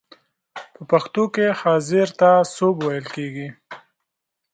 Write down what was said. په پښتو کې حاضر ته سوب ویل کیږی.